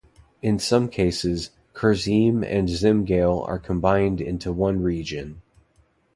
In some cases, Kurzeme and Zemgale are combined into one region.